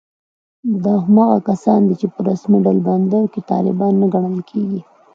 دا هماغه کسان دي چې په رسمي ډلبندیو کې طالبان نه ګڼل کېږي